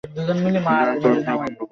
যাই করছিলে, বন্ধ করো।